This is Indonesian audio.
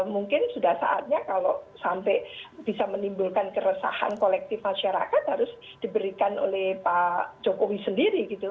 mungkin sudah saatnya kalau sampai bisa menimbulkan keresahan kolektif masyarakat harus diberikan oleh pak jokowi sendiri gitu